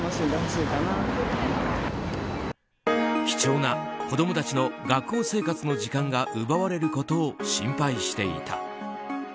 貴重な子供たちの学校生活の時間が奪われることを心配していた。